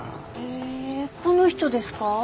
へえこの人ですか？